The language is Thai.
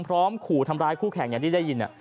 ขู่ทำร้ายคู่แข่งอย่างที่ได้ยิน